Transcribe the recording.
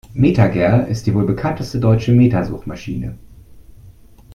MetaGer ist die wohl bekannteste deutsche Meta-Suchmaschine.